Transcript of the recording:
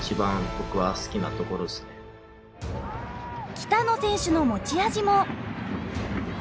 北野選手の持ち味も。